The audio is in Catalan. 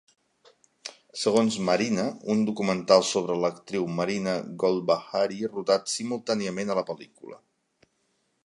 Segons "Marina", un documental sobre l'actriu Marina Golbahari rodat simultàniament a la pel·lícula.